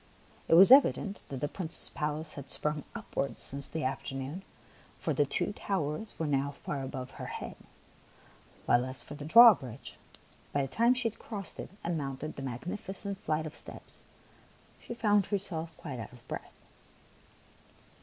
It was evident that the Prince's palace had sprung upwards since the afternoon, for the two towers were now far above her head, while as for the drawbridge, by the time she had crossed it and mounted the magnificent flight of steps, she found her self quite out of breath.